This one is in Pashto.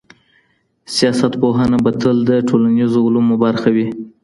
سياست پوهنه به تل د ټولنیزو علومو برخه وي.